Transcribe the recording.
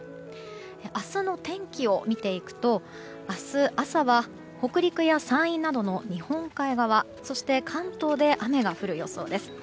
明日の天気を見ていくと明日朝は、北陸や山陰などの日本海側そして、関東で雨が降る予想です。